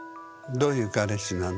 どういう彼氏なの？